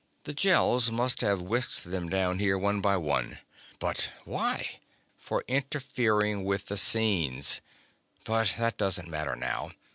The Gels must have whisked them down here one by one." "But why?" "For interfering with the scenes. But that doesn't matter now.